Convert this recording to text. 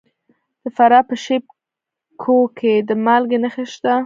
د فراه په شیب کوه کې د مالګې نښې شته.